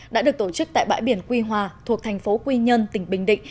đã được tổ chức tại bãi biển quy hòa thuộc thành phố quy nhơn tỉnh bình định